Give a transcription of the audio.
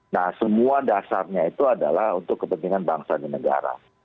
nah semua dasarnya itu adalah untuk kepentingan bangsa dan negara